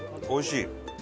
おいしい？